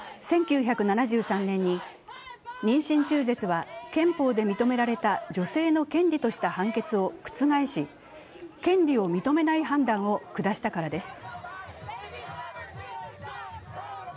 １９７３年に妊娠中絶は憲法で認められた女性の権利とした判決を覆し権利を認めない判断を下したからです。